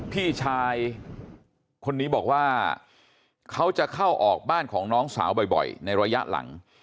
พี่ชายคนนี้บอกว่าเขาจะเข้าออกบ้านของน้องสาวบ่อยในระยะหลัง